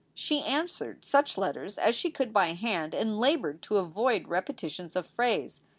She answered such letters as she could by hand and labored to avoid repetitions of phrase.